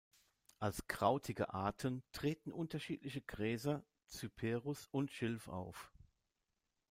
Als krautige Arten treten unterschiedliche Gräser, "Cyperus" und Schilf auf.